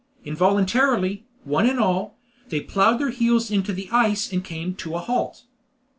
Involuntarily, one and all, they plowed their heels into the ice and came to a halt.